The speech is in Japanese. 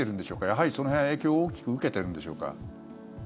やはり、その辺は影響を大きく受けているんでしょうか。